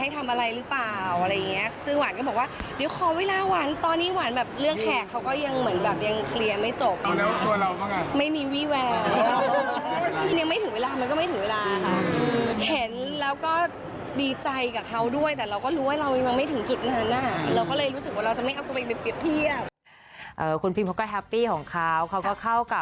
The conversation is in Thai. แต่เราก็รู้ว่าเราไม่ถึงจุดหน้าหน้า